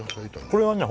これはね